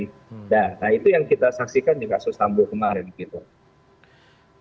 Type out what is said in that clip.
nah itu yang kita saksikan di kasus sambu kemah hari ini